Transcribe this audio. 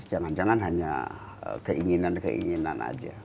jangan jangan hanya keinginan keinginan aja